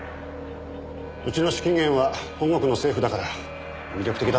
うちの資金源は本国の政府だから魅力的だったんでしょう。